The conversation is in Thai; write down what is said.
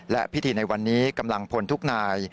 และพิธีในวันนี้กำลังพลทุกนาย